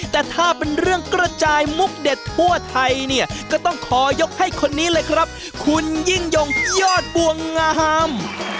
แต่ถ้าเป็นเรื่องกระจายมุกเด็ดทั่วไทยเนี่ยก็ต้องขอยกให้คนนี้เลยครับคุณยิ่งยงยอดบวงงาม